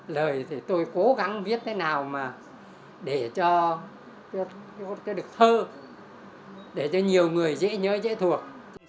lời thì tôi cố gắng viết thế nào mà để cho được thơ để cho nhiều người dễ nhớ dễ thuộc